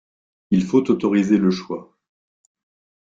Il faut autoriser le choix.